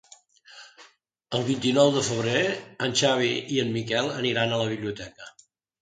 El vint-i-nou de febrer en Xavi i en Miquel aniran a la biblioteca.